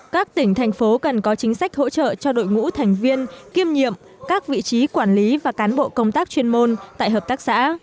các tỉnh thành phố cần có chính sách hỗ trợ cho đội ngũ thành viên kiêm nhiệm các vị trí quản lý và cán bộ công tác chuyên môn tại hợp tác xã